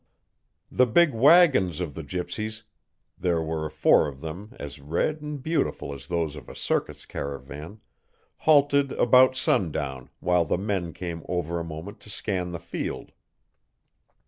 The big wagons of the gypsies there were four of them as red and beautiful as those of a circus caravan halted about sundown while the men came over a moment to scan the field.